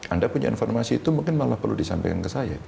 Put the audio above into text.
anda punya informasi itu mungkin malah perlu disampaikan ke saya